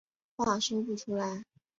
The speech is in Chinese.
说不出话来